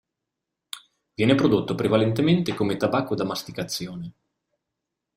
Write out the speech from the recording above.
Viene prodotto prevalentemente come tabacco da masticazione.